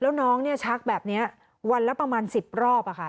แล้วน้องชักแบบนี้วันละประมาณ๑๐รอบ